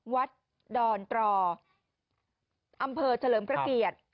วัดดอนตรออำเภอเฉลิมพระเกียรติ